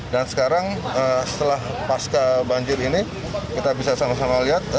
dan sekarang setelah pasca banjir ini kita bisa sama sama lihat